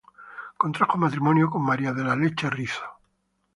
Contrajo matrimonio con María de la Leche Rizo.